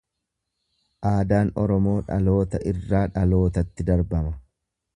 Aadaan Oromoo dhaloota irraa dhalootatti darbama.